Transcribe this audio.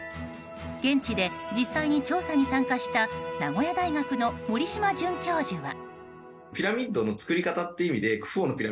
現地で実際に調査に参加した名古屋大学の森島准教授は。